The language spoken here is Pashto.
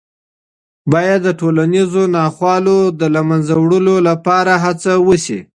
باید د ټولنیزو ناخوالو د له منځه وړلو لپاره هڅه وسي.